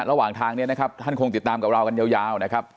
ระหว่างทางนี้นะครับท่านคงติดตามกับเรากันยาวนะครับ